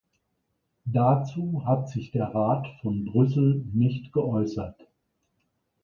Dazu hat sich der Rat von Brüssel nicht geäußert.